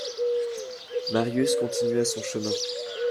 Marius continua son chemin.